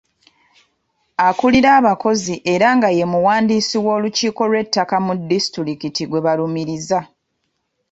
Akulira abakozi era nga ye muwandiisi w’olukiiko lw’ettaka mu disitulikiti gwe balumiriza.